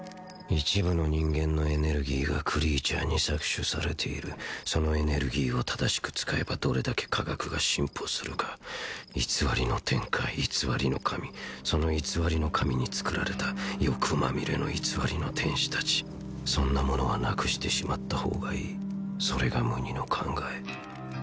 一部の人間のエネルギーがクリーチャーに搾取されているそのエネルギーを正しく使えばどれだけ科学が進歩するか偽りの天界偽りの神その偽りの神につくられた欲まみれの偽りの天使達そんなものはなくしてしまった方がいいそれがムニの考え